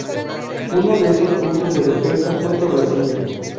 Uno de esos puntos de defensa fue Torrecilla.